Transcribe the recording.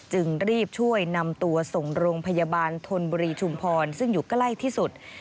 จึงรีบช่วยนำตัวส่งโรงพยาบาลธนบุรีชุมพรซึ่งอยู่ใกล้ที่สุด